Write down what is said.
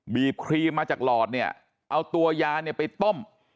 ครีมมาจากหลอดเนี่ยเอาตัวยาเนี่ยไปต้ม